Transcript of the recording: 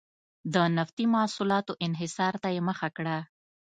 د نفتي محصولاتو انحصار ته یې مخه کړه.